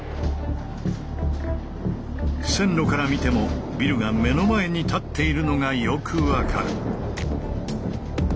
線路から見てもビルが目の前に立っているのがよく分かる。